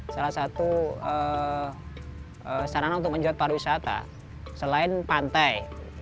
salah satu sarana untuk menjual pariwisata selain pantai